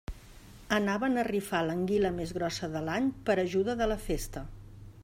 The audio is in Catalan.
Anaven a rifar l'anguila més grossa de l'any per a ajuda de la festa.